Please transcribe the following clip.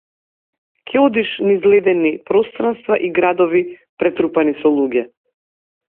Ќе одиш низ ледени пространства и градови претрупани со луѓе.